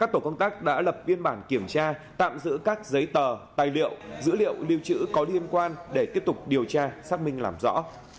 tổ công tác đã lập biên bản kiểm tra tạm giữ các giấy tờ tài liệu dữ liệu lưu trữ có liên quan để tiếp tục điều tra xác minh làm rõ